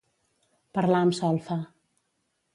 Parlar amb solfa.